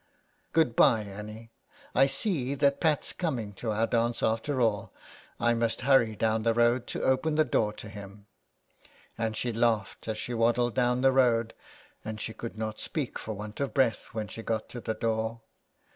'' Good bye, Annie. I see that Pat's coming to our dance after all. I must hurry down the road to open the door to him." And she laughed as she waddled down the road, and she could not speak for want of breath when she got to the door.